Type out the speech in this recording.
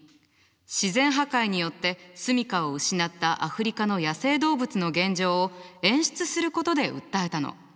自然破壊によって住みかを失ったアフリカの野生動物の現状を演出することで訴えたの。